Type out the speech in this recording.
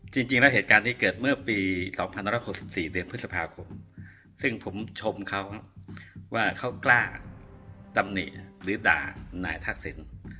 จริงแล้วเหตุการณ์นี้เกิดเมื่อปี๒๑๖๔เดือนพฤษภาคมซึ่งผมชมเขาว่าเขากล้าตำหนิหรือด่านายทักษิณ